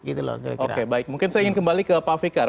mungkin saya ingin kembali ke pak fikar